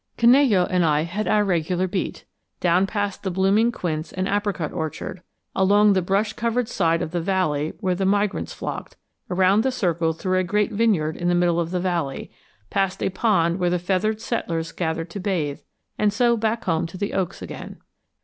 Canello and I had our regular beat, down past the blooming quince and apricot orchard, along the brush covered side of the valley where the migrants flocked, around the circle through a great vineyard in the middle of the valley, past a pond where the feathered settlers gathered to bathe, and so back home to the oaks again.